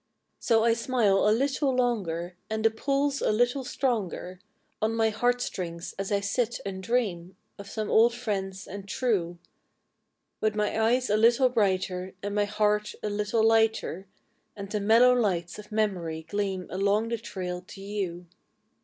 S O I smile a little longer, And the pull's a little stronger On mg heart strings as I sit and ] dream of some old "friend and true °(Dith mg eges a little brighter And mg heart a little lighter, por the mellow lights OT memorij qleam Aloncj the trail to gou.